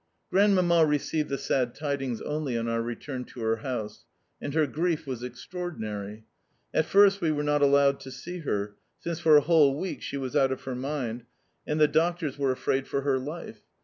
Grandmamma received the sad tidings only on our return to her house, and her grief was extraordinary. At first we were not allowed to see her, since for a whole week she was out of her mind, and the doctors were afraid for her life.